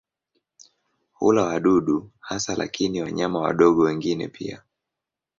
Hula wadudu hasa lakini wanyama wadogo wengine pia.